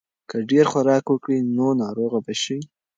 که ډېر خوراک وکړې نو ناروغه به شې.